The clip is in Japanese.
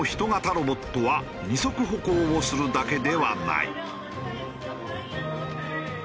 ロボットは二足歩行をするだけではない。